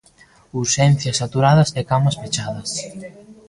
Urxencias saturadas e camas pechadas.